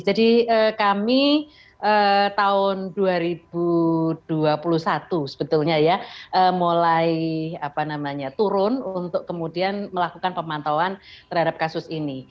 jadi kami tahun dua ribu dua puluh satu sebetulnya ya mulai turun untuk kemudian melakukan pemantauan terhadap kasus ini